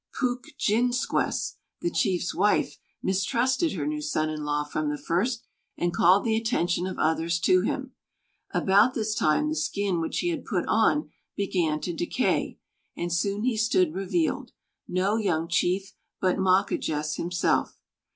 "Pūkjinsquess," the chief's wife, mistrusted her new son in law from the first, and called the attention of others to him. About this time the skin which he had put on began to decay; and soon he stood revealed, no young chief, but Mawquejess himself.